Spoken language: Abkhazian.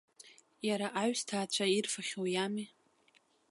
Иара аҩсҭаацәа ирфахьоу иами.